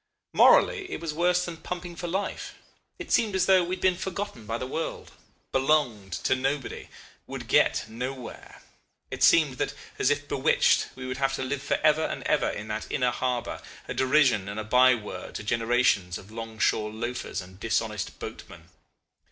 Morally it was worse than pumping for life. It seemed as though we had been forgotten by the world, belonged to nobody, would get nowhere; it seemed that, as if bewitched, we would have to live for ever and ever in that inner harbour, a derision and a by word to generations of long shore loafers and dishonest boatmen.